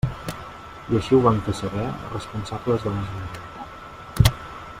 I així ho van fer saber a responsables de la Generalitat.